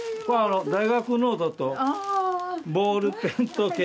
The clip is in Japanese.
大学ノートとボールペンと消しゴムと。